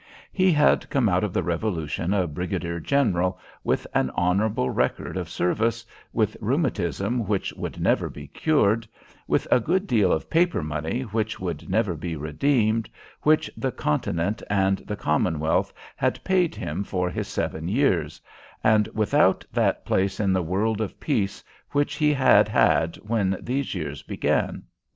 He had come out of the Revolution a Brigadier General, with an honorable record of service, with rheumatism which would never be cured, with a good deal of paper money which would never be redeemed, which the Continent and the Commonwealth had paid him for his seven years, and without that place in the world of peace which he had had when these years began.